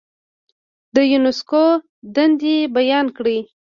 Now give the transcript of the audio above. د یونسکو دندې بیان کړئ.